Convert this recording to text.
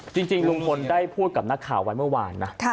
จริงลุงพลได้พูดกับนักข่าวไว้เมื่อวานนะ